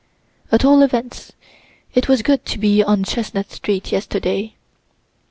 At all events it was good to be on Chestnut street yesterday.